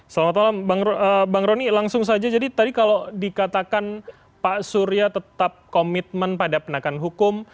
selamat malam bang roni langsung saja jadi tadi kalau dikatakan pak surya tetap komitmen pada penegakan hukum